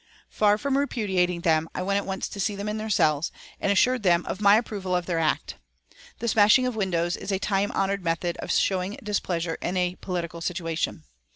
Far from repudiating them, I went at once to see them in their cells, and assured them of my approval of their act. The smashing of windows is a time honoured method of showing displeasure in a political situation.